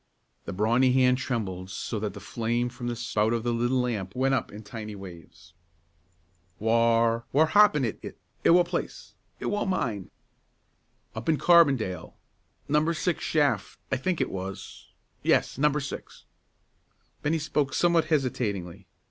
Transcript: The brawny hand trembled so that the flame from the spout of the little lamp went up in tiny waves. "Whaur whaur happenit it i' what place i' what mine?" "Up in Carbondale. No. 6 shaft, I think it was; yes, No. 6." Bennie spoke somewhat hesitatingly.